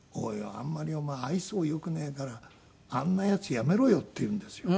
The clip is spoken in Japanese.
あんまりお前愛想よくねえからあんなヤツやめろよ」って言うんですよ。